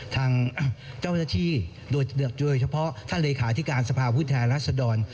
ทางเจ้าธิโดยเฉพาะท่านเลขาธิการสภาพุทธแห่งรัฐศดร